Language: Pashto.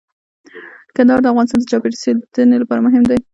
کندهار د افغانستان د چاپیریال ساتنې لپاره مهم دي.